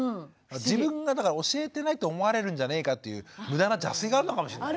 自分が教えてないと思われるんじゃねえかという無駄な邪推があるのかもしれないね。